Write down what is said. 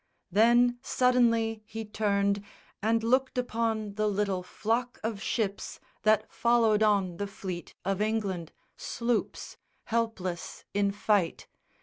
Then, suddenly, he turned And looked upon the little flock of ships That followed on the fleet of England, sloops Helpless in fight.